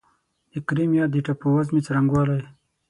د کریمیا د ټاپووزمې څرنګوالی